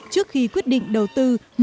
trước khi quyết định đối tượng